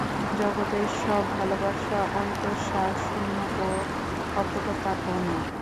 জগতের সব ভালবাসা অন্তঃসারশূন্য ও কপটতাপূর্ণ।